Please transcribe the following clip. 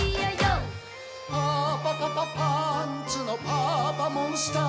「パパパパパンツのパパモン★スター」